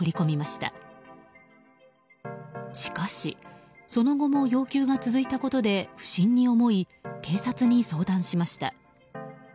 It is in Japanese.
しかし、その後も要求が続いたことで不審に思い警察に相談しました。